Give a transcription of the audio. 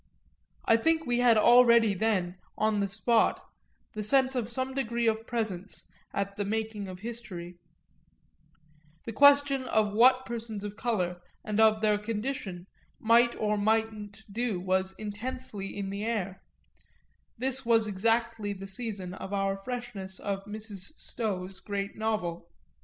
I think we had already then, on the spot, the sense of some degree of presence at the making of history; the question of what persons of colour and of their condition might or mightn't do was intensely in the air; this was exactly the season of the freshness of Mrs. Stowe's great novel.